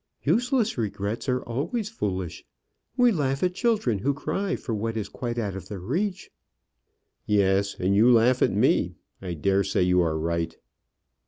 "Useless regrets are always foolish: we laugh at children who cry for what is quite out of their reach." "Yes; and you laugh at me. I dare say you are right."